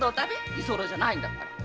居候じゃないんだから。